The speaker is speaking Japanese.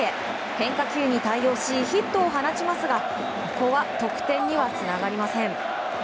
変化球に対応しヒットを放ちますがここは得点にはつながりません。